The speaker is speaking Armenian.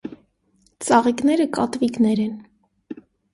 Ծաղիկները կատվիկներ են։